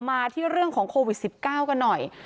มาที่เรื่องของโควิด๑๙กันหน่อย